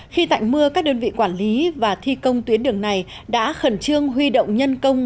khi tạnh mưa các đơn vị quản lý và thi công tuyến đường này đã khẩn trương huy động nhân công